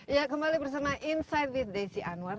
ya kembali bersama insight with desi anwar